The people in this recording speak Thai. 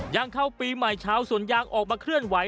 ยังเข้าปีใหม่ชาวสวนยางออกมาเคลื่อนไหว